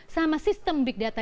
sama sistem big data